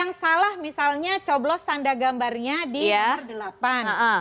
yang salah misalnya coblos tanda gambarnya di r delapan